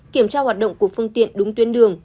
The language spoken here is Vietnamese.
kiểm tra hoạt động của phương tiện đúng tuyến đường